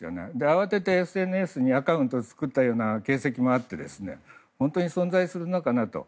慌ててＳＮＳにアカウントを作ったような形跡もあって本当に存在するのかなと。